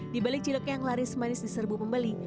di balik cilok yang laris manis di serbu pembeli